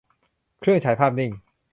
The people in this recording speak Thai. เครื่องฉายภาพนิ่ง